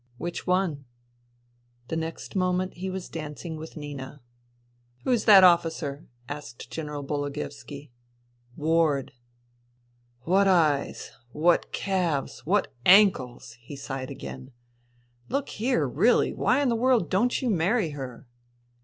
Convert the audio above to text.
Which one ?" The next moment he was dancing with Nina. *' Who's that officer ?" asked General Bologoevski. " Ward." "What eyes! What calves I What ankles!" he sighed again. " Look here, really, why in the world don't you marry her